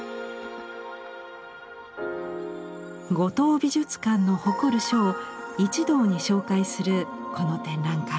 五島美術館の誇る書を一堂に紹介するこの展覧会。